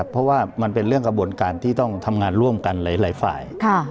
เพราะว่ามันเป็นเรื่องกระบวนการที่ต้องทำงานร่วมกันหลายฝ่าย